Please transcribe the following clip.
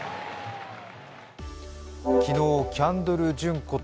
昨日、キャンドル・ジュンこと